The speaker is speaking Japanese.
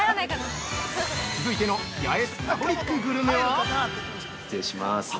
続いてのヤエスパブリックグルメは？◆失礼します。